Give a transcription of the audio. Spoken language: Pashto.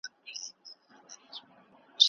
نړيوالو سازمانونو د سولي لپاره ډېري هڅي کړې دي.